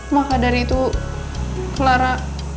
maka dari itu clara